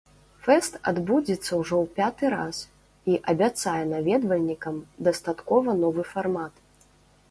Фэст адбудзецца ўжо ў пяты раз і абяцае наведвальнікам дастаткова новы фармат.